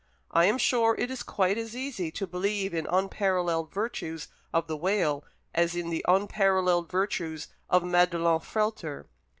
I am sure it is quite as easy to believe in the unparalleled virtues of the whale as in the unparalleled virtues of Madelon Frehlter."